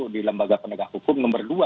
di lembaga penegak hukum nomor dua